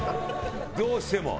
どうしても。